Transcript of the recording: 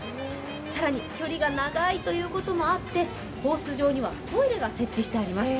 更に距離が長いということもあってコース上にはトイレが設置してあります。